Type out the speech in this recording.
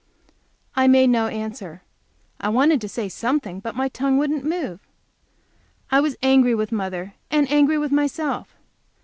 I made no answer. I wanted to say something, but my tongue wouldn't move. I was angry with mother, and angry with myself.